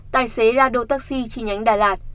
tài xế la đô taxi chi nhánh đài lạt